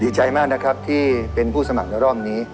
ดีใจมากนะครับที่เป็นผู้สมัครในรอบนี้